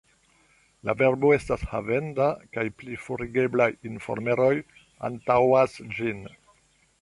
La verbo estas havenda, kaj pli forigeblaj informeroj antaŭas ĝin.